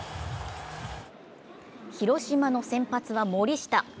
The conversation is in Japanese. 広島の先発は森下。